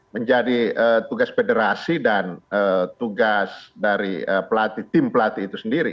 menjadi tugas federasi dan tugas dari tim pelatih itu sendiri